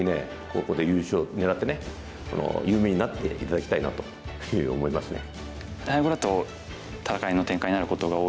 ここで優勝狙って有名になって頂きたいなというふうに思いますね。